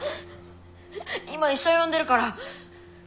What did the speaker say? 今医者を呼んでるから！